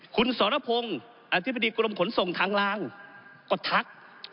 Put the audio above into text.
คุณสรพงศ์อธิบดีกรมขนส่งทางลางก็ทัก